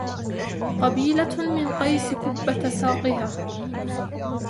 قبيلة من قيس كبة ساقها